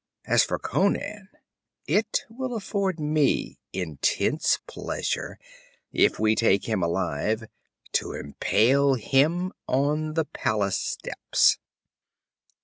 As for Conan, it will afford me intense pleasure, if we take him alive, to impale him on the palace steps.'